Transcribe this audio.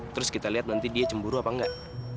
terus kita lihat nanti dia cemburu apa enggak